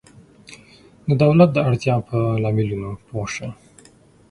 د دولت د اړتیا په لاملونو پوه شئ.